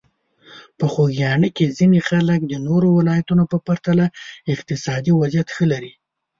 په خوږیاڼي کې ځینې خلک د نورو ولایتونو په پرتله اقتصادي وضعیت ښه لري.